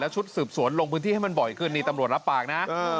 ชุดสืบสวนลงพื้นที่ให้มันบ่อยขึ้นนี่ตำรวจรับปากนะ